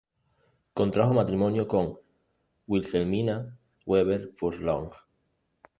Contrajo matrimonio con Wilhelmina Weber Furlong.